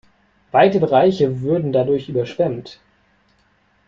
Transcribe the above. Weite Bereiche würden dadurch überschwemmt.